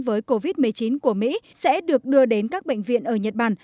với covid một mươi chín của mỹ sẽ được đưa đến các bệnh viện ở nhật bản